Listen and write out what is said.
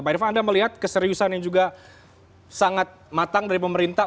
pak irvan anda melihat keseriusan yang juga sangat matang dari pemerintah